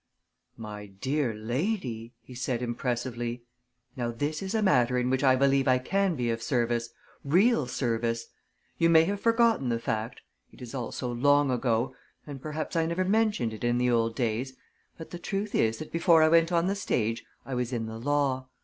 "My dear lady!" he said impressively. "Now this is a matter in which I believe I can be of service real service! You may have forgotten the fact it is all so long ago and perhaps I never mentioned it in the old days but the truth is that before I went on the stage, I was in the law.